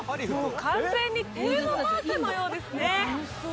完全にテーマパークのようですね。